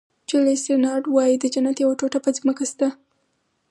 جولیس رینارډ وایي د جنت یوه ټوټه په ځمکه شته.